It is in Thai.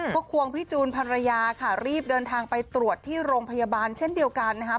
ก็ควงพี่จูนภรรยาค่ะรีบเดินทางไปตรวจที่โรงพยาบาลเช่นเดียวกันนะครับ